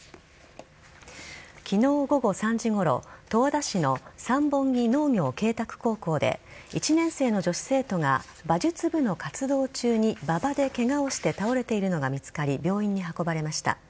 昨日午後３時ごろ十和田市の三本木農業恵拓高校高校で１年生の女子生徒が馬術部の活動中に馬場でケガをして倒れているのが見つかり病院に運ばれました。